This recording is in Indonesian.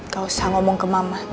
gak usah ngomong ke mama